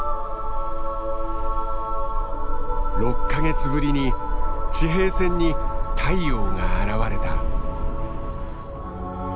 ６か月ぶりに地平線に太陽が現れた。